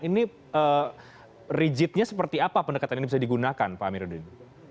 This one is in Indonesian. ini rigidnya seperti apa pendekatan ini bisa digunakan pak amiruddin